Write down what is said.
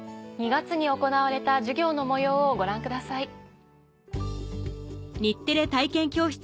２月に行われた授業の模様をご覧ください。